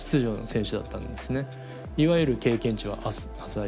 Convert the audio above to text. いわゆる経験値は浅い。